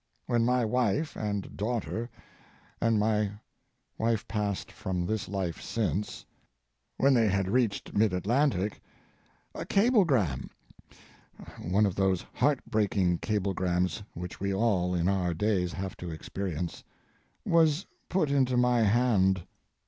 When my wife and daughter—and my wife has passed from this life since—when they had reached mid Atlantic, a cablegram—one of those heartbreaking cablegrams which we all in our days have to experience—was put into my hand.